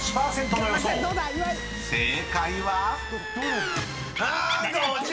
［正解は⁉］